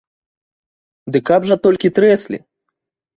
Ды каб жа толькі трэслі.